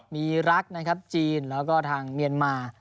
มีรักนะครับจีนแล้วก็ทางเมียนมา